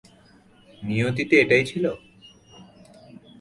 নিয়তিতে এটাই ছিল।